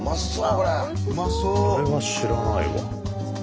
これは知らないわ。